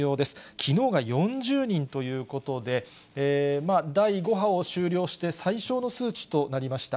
きのうが４０人ということで、まあ第５波を終了して、最少の数値となりました。